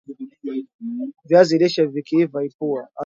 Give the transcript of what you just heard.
viazi lishe Vikiiva ipua